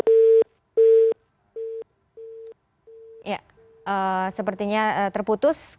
ya sepertinya terputus